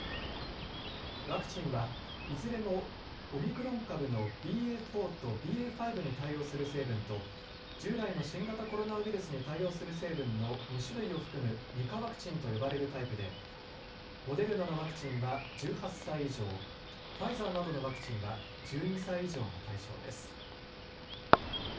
ワクチンはいずれもオミクロン株のＢＡ．４とＢＡ．５に対応する成分と従来の新型コロナウイルスに対応する成分の２種類を含む２価ワクチンと呼ばれるタイプでモデルナのワクチンは１８歳以上、ファイザーなどのワクチンは１２歳以上が対象です。